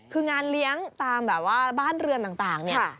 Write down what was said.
คืองานเลี้ยงตามแบบว่าบ้านเรือนต่างเนี่ย